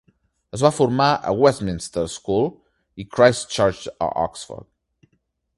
Es va formar a Westminster School i Christ Church a Oxford.